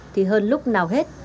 thì hơn lúc nào hết